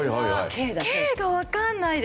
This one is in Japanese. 「Ｋ」がわかんないです。